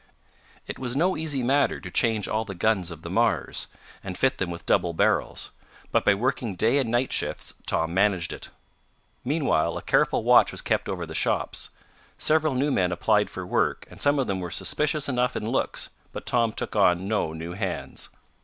It was no easy matter to change all the guns of the Mars, and fit them with double barrels. But by working day and night shifts Tom managed it. Meanwhile, a careful watch was kept over the shops. Several new men applied for work, and some of them were suspicious enough in looks, but Tom took on no new hands.